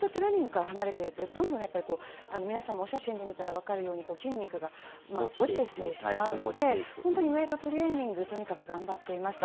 そして、ずっとトレーニングから離れているとどんどんやっぱり、皆さんもお写真で見たらわかるように筋肉が落ちていってしまうので本当にウェートトレーニングとにかく頑張っていました。